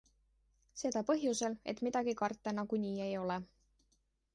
Seda põhjusel, et midagi karta nagunii ei ole.